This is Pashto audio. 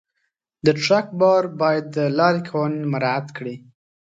د ټرک بار باید د لارې قوانین مراعت کړي.